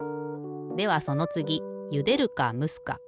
ではそのつぎゆでるかむすか。